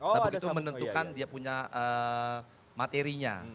sabuk itu menentukan dia punya materinya